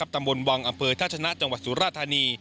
ตำบลวังอำเภอท่าชนะจังหวัดสุราธานี